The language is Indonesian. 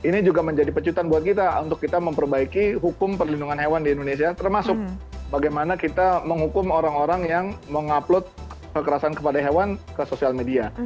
jadi ini juga menjadi penyebutan buat kita untuk kita memperbaiki hukum perlindungan hewan di indonesia termasuk bagaimana kita menghukum orang orang yang mengupload kekerasan kepada hewan ke sosial media